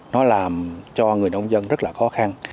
nó làm cho người nông dân rất là khó khăn